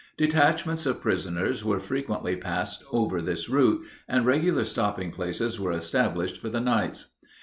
Detachments of prisoners were frequently passed over this route, and regular stopping places were established for the nights.